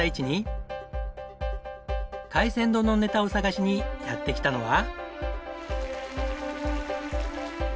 海鮮丼のネタを探しにやって来たのは。